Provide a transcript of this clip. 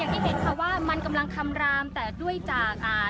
ที่เห็นค่ะว่ามันกำลังคำรามแต่ด้วยจากอ่า